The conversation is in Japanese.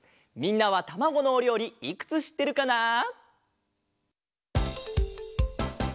みんなはたまごのおりょうりいくつしってるかな？